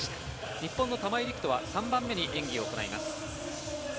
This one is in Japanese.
日本の玉井陸斗は３番目に演技を行います。